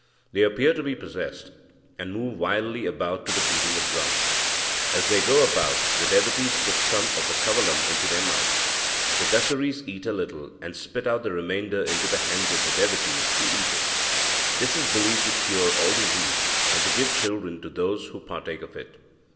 They appear to be possessed, and move wildly about to the beating of drums. As they go about, the devotees put some of the kavalam into their mouths. The Dasaris eat a little, and spit out the remainder into the hands of the devotees, who eat it. This is believed to cure all disease, and to give children to those who partake of it.